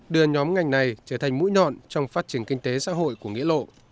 đưa nhóm ngành này trở thành mũi nhọn trong phát triển kinh tế xã hội của nghĩa lộ